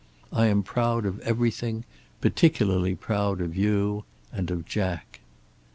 I am proud of everything; particularly proud of you, and of Jack.